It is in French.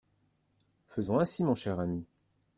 Faisons ainsi mon cher ami.